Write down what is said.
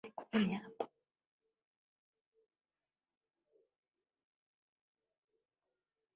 Tena bila mwisho sirudi.